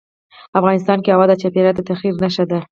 افغانستان کې هوا د چاپېریال د تغیر نښه ده.